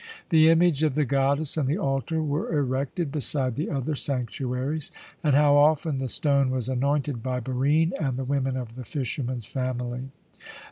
The image of the goddess and the altar were erected beside the other sanctuaries, and how often the stone was anointed by Barine and the women of the fisherman's family!